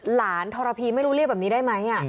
ทรพีไม่รู้เรียกแบบนี้ได้ไหม